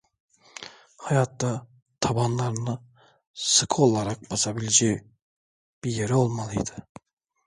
Hayatta tabanlarını sıkı olarak basabileceği bir yeri olmalıydı.